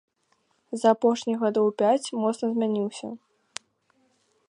За апошнія гадоў пяць моцна змяніўся.